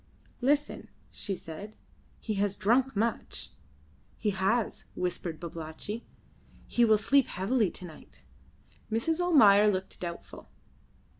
"Listen," she said. "He has drunk much." "He has," whispered Babalatchi. "He will sleep heavily to night." Mrs. Almayer looked doubtful.